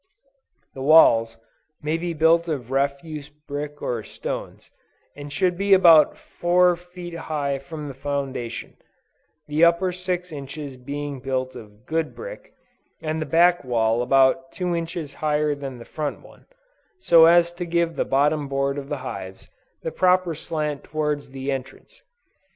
The walls, may be built of refuse brick or stones, and should be about four feet high from the foundation; the upper six inches being built of good brick, and the back wall about two inches higher than the front one, so as to give the bottom board of the hives, the proper slant towards the entrance.